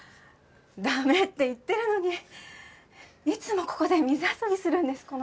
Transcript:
駄目って言ってるのにいつもここで水遊びするんです